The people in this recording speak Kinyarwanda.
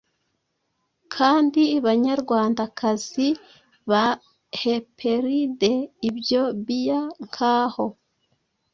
Kandi banyarwandakazi ba Heperide, ibyo bia nkaho